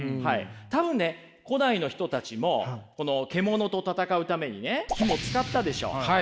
多分ね古代の人たちも獣と戦うためにね火も使ったでしょう。